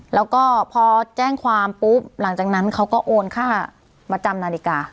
แล้วก็พอแจ้งความปุ๊บหลังจากนั้นเขาก็โอนค่ามาจำนาฬิกา